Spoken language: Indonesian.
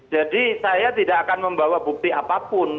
saya tidak akan membawa bukti apapun